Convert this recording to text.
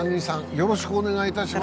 よろしくお願いします